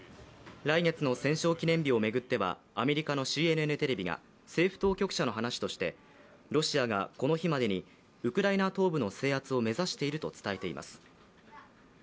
来月の戦勝記念日を巡っては、アメリカのＣＮＮテレビが政府当局者の話としてロシアがこの日までにウクライナ東部の制圧を目指していると伝えています。